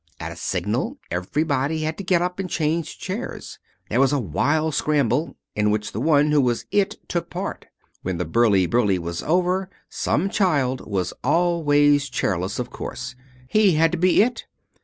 At a signal everybody had to get up and change chairs. There was a wild scramble, in which the one who was It took part. When the burly burly was over some child was always chairless, of course. He had to be It.